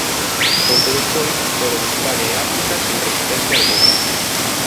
Pouco despois foron Hispania e África sen resistencia algunha.